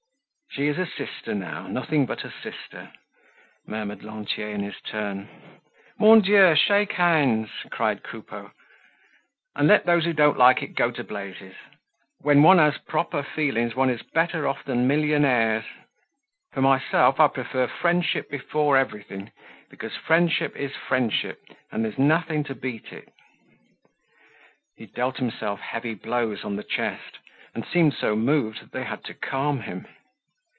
"She is a sister now—nothing but a sister!" murmured Lantier in his turn. "Mon Dieu! shake hands," cried Coupeau, "and let those who don't like it go to blazes! When one has proper feelings one is better off than millionaires. For myself I prefer friendship before everything because friendship is friendship and there's nothing to beat it." He dealt himself heavy blows on the chest, and seemed so moved that they had to calm him.